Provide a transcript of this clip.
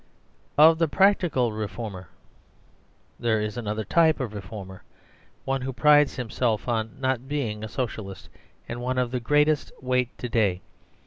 (2) Of the Practical Reformer : There is another type of Reformer, one who prides himself on not being a socialist, and one of the great est weight to day.